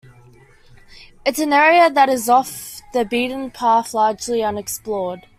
It's an area that is off the beaten path- largely unexplored.